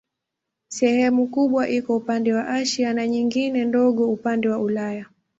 Sehemu kubwa iko upande wa Asia na nyingine ndogo upande wa Ulaya.